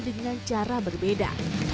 dengan cara berbeda